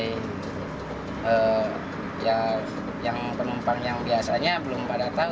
jadi ya yang penumpang yang biasanya belum pada tahu